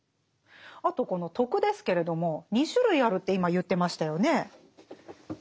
あとこの「徳」ですけれども２種類あるって今言ってましたよね。